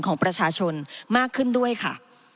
ของประชาชนมากขึ้นด้วยค่ะ